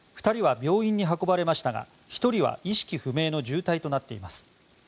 ２人は病院に運ばれましたが１人は意識不明の重体となっています。